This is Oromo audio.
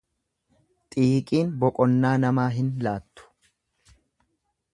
Xiiqiin boqonnaa namaa hin laattu.